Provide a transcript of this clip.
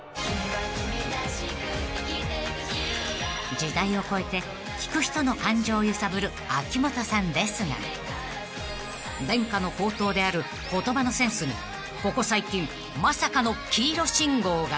［時代を超えて聴く人の感情を揺さぶる秋元さんですが伝家の宝刀である言葉のセンスにここ最近まさかの黄色信号が］